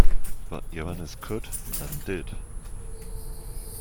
But Johannes could, and did.